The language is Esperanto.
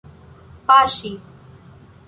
paŝi